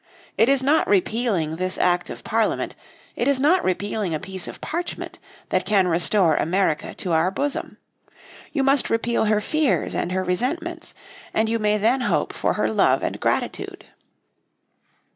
It is not repealing this act of Parliament, it is not repealing a piece of parchment, that can restore America to our bosom. You must repeal her fears and her resentments. And you may then hope for her love and gratitude."